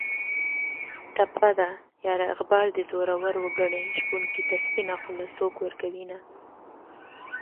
ټپه ده: یاره اقبال دې زورور و ګني شپونکي ته سپینه خوله څوک ورکوینه